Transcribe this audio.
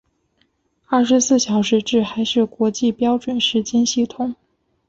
二十四小时制还是国际标准时间系统。